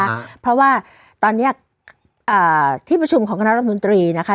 เพราะว่าตอนเนี้ยอ่าที่ประชุมของคณะรัฐมนตรีนะคะ